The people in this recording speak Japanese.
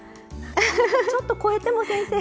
ちょっと超えても先生。